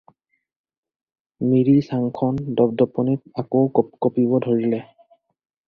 মিৰি চাংখন দপ-দপনিত আকৌ কঁপিব ধৰিলে।